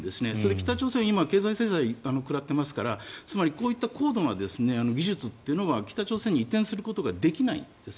北朝鮮、今経済制裁、食らってますからつまり、こういった高度な技術っていうのは北朝鮮に移転することができないんです。